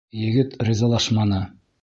Егет ризалашманы.